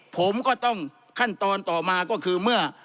ผมก็ต้องขั้นตอนต่อมาก็คือเมื่อ